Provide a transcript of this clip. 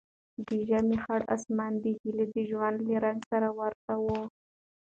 د ژمي خړ اسمان د هیلې د ژوند له رنګ سره ورته و.